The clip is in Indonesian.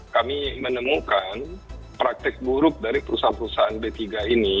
kami menemukan praktek buruk dari perusahaan perusahaan b tiga ini